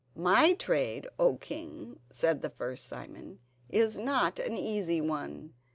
"My trade, O king!" said the first Simon, "is not an easy one.